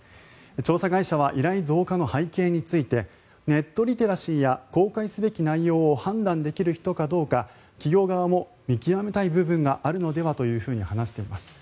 調査会社は依頼増加の背景についてネットリテラシーや公開すべき内容を判断できる人かどうか企業側も見極めたい部分があるのではと話しています。